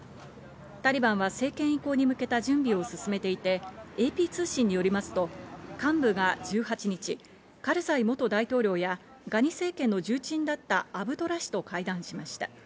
タリバンは政権移行に向けた準備を進めていて、ＡＰ通信によりますと幹部が１８日、カルザイ元大統領やガニ政権の重鎮だったアブドラ氏と会談しました。